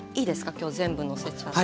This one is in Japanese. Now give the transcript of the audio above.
今日全部のせちゃって。